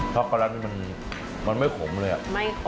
ช็อกโกแลตมันไม่ขมเลยไม่ขมค่ะ